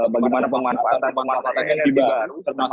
bagaimana pemanfaatan energi baru